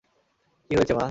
কি হয়েছে মা?